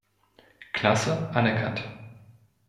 Klasse anerkannt.